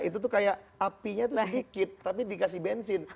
itu tuh kayak apinya tuh sedikit tapi dikasih bensin